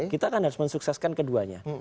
kita kan harus mensukseskan keduanya